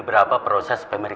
aku akan gunakan waktu ini